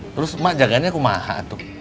terus ma jagainya kumaha tuh